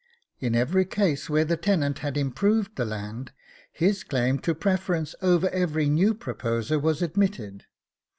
In every case where the tenant had improved the land his claim to preference over every new proposer was admitted.